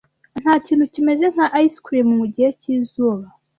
Ntakintu kimeze nka ice cream mugihe cyizuba.